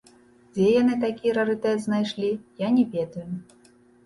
Дзе яны такі рарытэт знайшлі, я не ведаю.